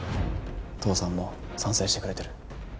父さんも賛成してくれてる。